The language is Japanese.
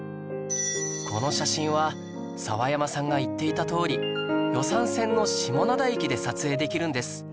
この写真は澤山さんが言っていたとおり予讃線の下灘駅で撮影できるんです